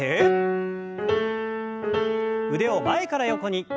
腕を前から横に。